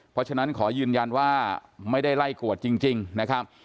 เพราะฉะนั้นขอยืนยันว่าไม่ได้ไล่กวดจริงนะครับ